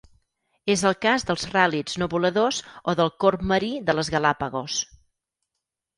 És el cas dels ràl·lids no voladors o del corb marí de les Galápagos.